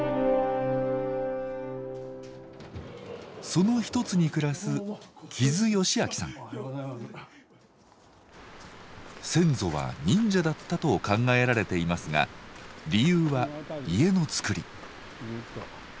その一つに暮らす先祖は忍者だったと考えられていますが理由は家のつくり。